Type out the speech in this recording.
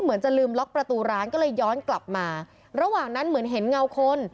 เหมือนจะลืมล็อกประตูร้านก็เลยย้อนกลับมาระหว่างนั้นเหมือนเห็นเงาคน